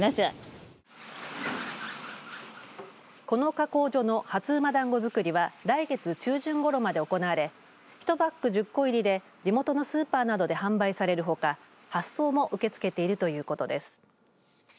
この加工所の初午だんごづくりは来月中旬ごろまで行われ１パック１０個入りで地元のスーパーなどで販売されるほか発送も受け付けているということです。